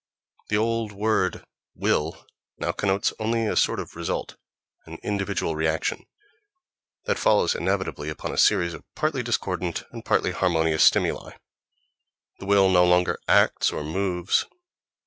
The old word "will" now connotes only a sort of result, an individual reaction, that follows inevitably upon a series of partly discordant and partly harmonious stimuli—the will no longer "acts," or "moves."...